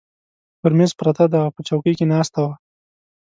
پر مېز پرته ده، او په چوکۍ کې ناسته وه.